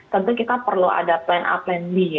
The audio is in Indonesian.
tentu kita perlu ada plan a plan b